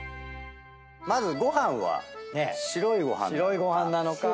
まずご飯は白いご飯なのか。